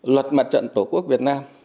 luật mặt trận tổ quốc việt nam